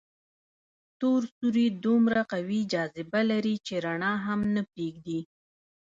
تور سوري دومره قوي جاذبه لري چې رڼا هم نه پرېږدي.